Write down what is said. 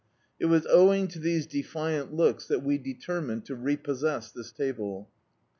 It was owing to these defiant looks that we deter mined to re'possess this table.